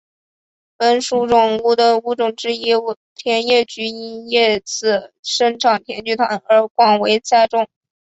本属中的物种之一甜叶菊因其叶子生产甜菊糖而广为栽种。